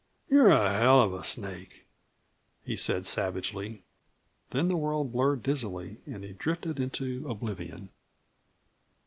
"You're a hell of a snake," he said savagely. Then the world blurred dizzily, and he drifted into oblivion.